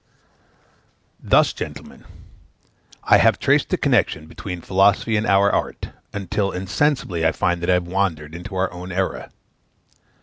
Thus, gentlemen, I have traced the connection between philosophy and our art, until insensibly I find that I have wandered into our own era.